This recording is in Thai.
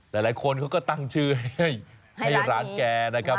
หลายคนเขาก็ตั้งชื่อให้ร้านแกนะครับ